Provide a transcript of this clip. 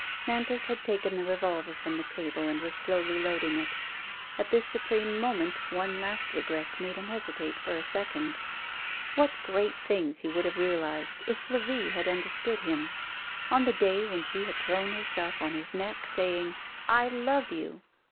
Nantas had taken the revolver from the table, and was slowly loading it. At this supreme moment one last regret made him hesitate for a second. What great things he would have realized if Flavie had understood him I On the day when she had thrown herself on his neck, saying, " I love you!